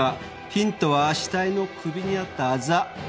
ヒントは死体の首にあったあざ。